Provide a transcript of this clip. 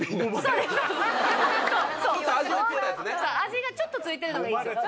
味がちょっとついてるのがいいんですよ。